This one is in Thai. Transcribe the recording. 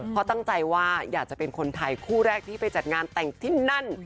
เพราะตั้งใจว่าอยากจะเป็นคนไทยคู่แรกที่ไปจัดงานแต่งที่นั่น